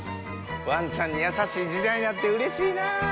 ワンちゃんに優しい時代になってうれしいなぁ。